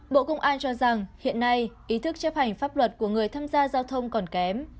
bộ công an cho rằng hiện nay ý thức chấp hành pháp luật của người tham gia giao thông còn kém